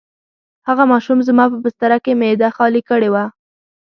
خو ماشوم زما په بستره کې معده خالي کړې وه.